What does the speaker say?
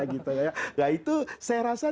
nah itu saya rasa